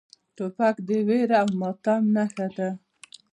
توپک د ویر او ماتم نښه ده.